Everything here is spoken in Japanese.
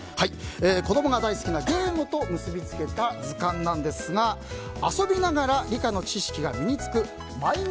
子供が大好きなゲームと結びつけた図鑑なんですが「遊びながら理科の知識が身につくマイン